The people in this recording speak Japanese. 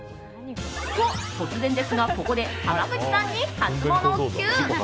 と、突然ですがここで濱口さんにハツモノＱ。